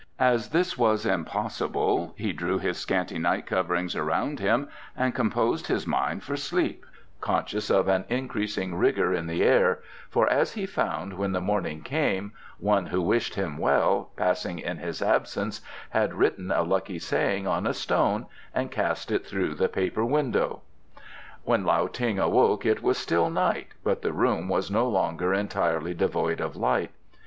As this was impossible, he drew his scanty night coverings around him and composed his mind for sleep, conscious of an increasing rigour in the air; for, as he found when the morning came, one who wished him well, passing in his absence, had written a lucky saying on a stone and cast it through the paper window. When Lao Ting awoke it was still night, but the room was no longer entirely devoid of light.